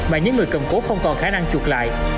mà những người cầm cố không còn khả năng chuột lại